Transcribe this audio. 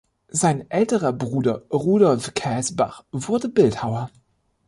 Sein älterer Bruder Rudolf Kaesbach wurde Bildhauer.